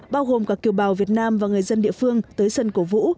bao gồm cả kiều bào việt nam và người dân địa phương tới sân cổ vũ